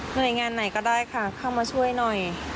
หน่วยงานไหนก็ได้ค่ะเข้ามาช่วยหน่อย